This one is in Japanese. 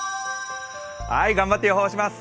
頑張って予報します。